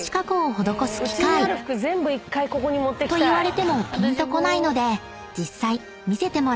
［と言われてもぴんとこないので実際見せてもらうと］